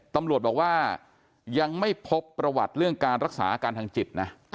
ตำรวจบอกว่ายังไม่พบประวัติเรื่องการรักษาอาการทางจิตนะ